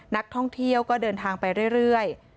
นักท่องเที่ยวก็เดินทางไปเรื่อย